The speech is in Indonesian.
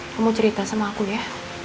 kamu cerita sama aku ya